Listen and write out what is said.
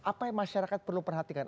apa yang masyarakat perlu perhatikan